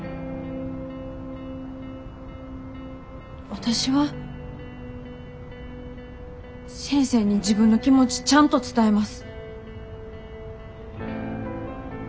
私は先生に自分の気持ちちゃんと伝えます。